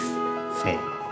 せの。